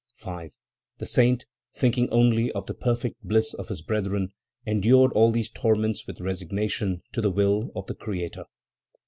5. The Saint, thinking only of the perfect bliss of his brethren, endured all those torments with resignation to the will of the Creator.